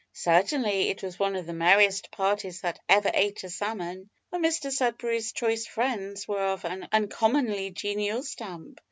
Certainly, it was one of the merriest parties that ever ate a salmon, for Mr Sudberry's choice friends were of an uncommonly genial stamp.